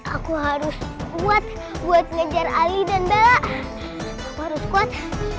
aku harus buat buat ngejar ali dan bella harus kuat